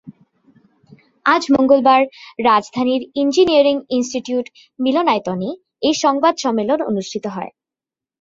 আজ মঙ্গলবার রাজধানীর ইঞ্জিনিয়ারিং ইনস্টিটিউট মিলনায়তনে এ সংবাদ সম্মেলন অনুষ্ঠিত হয়।